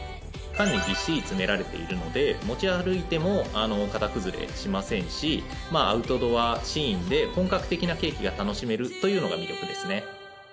缶にぎっしりと詰められているので持ち歩いても形崩れしませんしアウトドアシーンで本格的なケーキが楽しめるというのが魅力ですね。